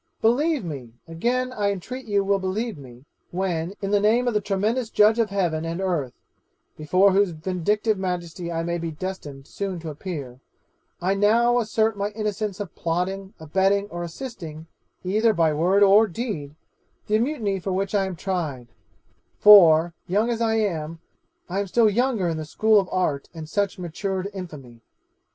'Believe me, again I entreat you will believe me, when, in the name of the tremendous judge of heaven and earth (before whose vindictive Majesty I may be destined soon to appear), I now assert my innocence of plotting, abetting, or assisting, either by word or deed, the mutiny for which I am tried for, young as I am, I am still younger in the school of art and such matured infamy.